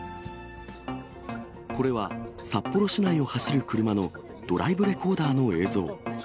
これは札幌市内を走る車のドライブレコーダーの映像。